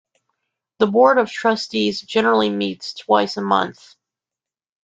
The board of trustees generally meets twice a month.